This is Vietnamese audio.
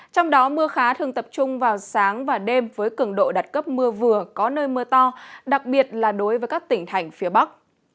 trong đó mưa khá thường tập trung vào sáng và đêm với cường độ đặt cấp mưa vừa có nơi mưa to đặc biệt là đối với các tỉnh thành phía bắc